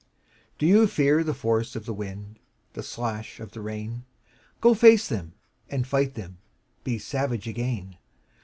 DO you fear the force of the wind, The slash of the rain? Go face them and fight them, Be savage again.